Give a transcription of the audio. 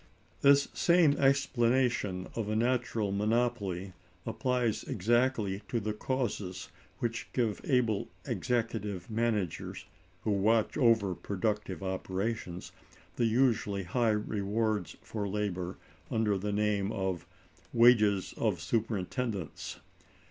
This same explanation of a natural monopoly applies exactly to the causes which give able executive managers, who watch over productive operations, the usually high rewards for labor under the name of "wages of superintendence."